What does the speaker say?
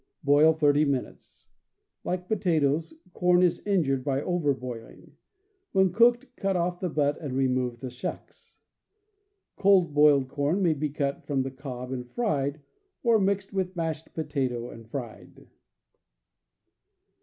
Boil thirty minutes. Like potatoes, corn is injured by over boil ing. When cooked, cut off the butt and remove the shucks. Cold boiled corn may be cut from the cob and fried, or mixed with mashed potato and fried.